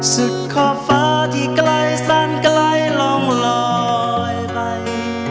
ขอบฟ้าที่ไกลสั้นไกลลองลอยไป